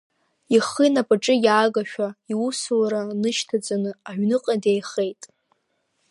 Ихы инапаҿы иаагашәа, иусура нышьҭаҵаны, аҩныҟа деихеит.